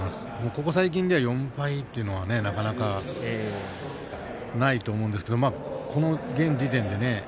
ここ最近では４敗というのはなかなかないと思うんですが現時点でね。